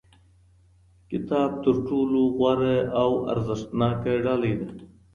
کتاب تر ټولو غوره او ارزښتناکه ډالۍ ده.